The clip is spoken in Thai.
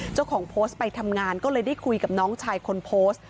เจ้าของโพสต์ไปทำงานก็เลยได้คุยกับน้องชายคนโพสต์